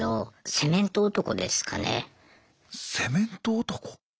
セメント男？